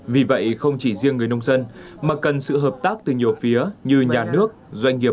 vì vậy không chỉ riêng người nông dân mà cần sự hợp tác từ nhiều phía như nhà nước doanh nghiệp